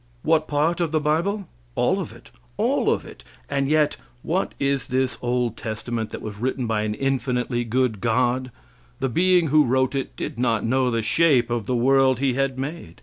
What part of the bible? All of it; all of it; and yet what is this old testament that was written by an infinitely good God? The being who wrote it did not know the shape of the world He had made.